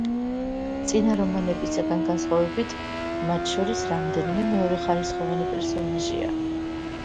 წინა რომანებისგან განსხვავებით, მათ შორის რამდენიმე მეორეხარისხოვანი პერსონაჟია.